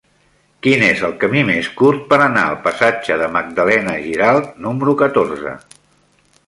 Quin és el camí més curt per anar al passatge de Magdalena Giralt número catorze?